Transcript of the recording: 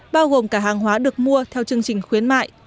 bao gồm cả hàng hóa được mua theo chương trình khuyến mại